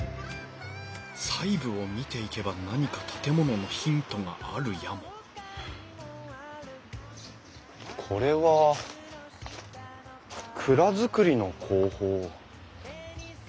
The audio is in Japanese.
細部を見ていけば何か建物のヒントがあるやもこれは蔵造りの工法。